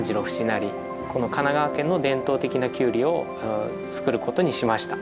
成この神奈川県の伝統的なキュウリを作ることにしました。